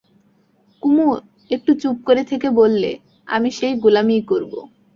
কুমু একটু চুপ করে থেকে বললে, আমি সেই গোলামিই করব।